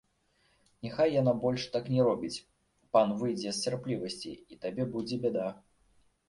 Няхай яна больш так не робіць, пан выйдзе з цярплівасці, і табе будзе бяда.